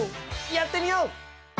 やってみよう！